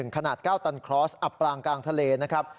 ขนาด๙ตันคลอสอับปลางกลางทะเลนะครับ